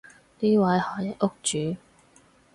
呢位係屋主